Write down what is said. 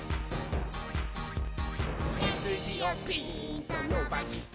「せすじをピーンとのばして」